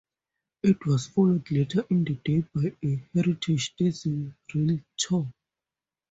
It was followed later in the day by a heritage diesel railtour.